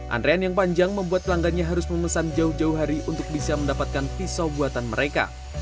antrean yang panjang membuat pelanggannya harus memesan jauh jauh hari untuk bisa mendapatkan pisau buatan mereka